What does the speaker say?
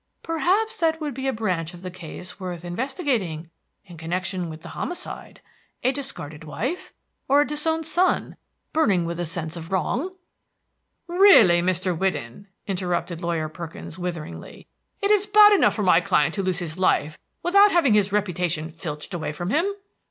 "perhaps that would be a branch of the case worth investigating in connection with the homicide. A discarded wife, or a disowned son, burning with a sense of wrong" "Really, Mr. Whidden!" interrupted Lawyer Perkins witheringly, "it is bad enough for my client to lose his life, without having his reputation filched away from him."